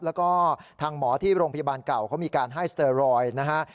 แล้วก็ทางหมอที่โรงพยาบาลเก่าเขามีการให้สเตอร์รอยด์นะฮะ